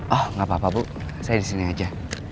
oh gapapa bu saya disini aja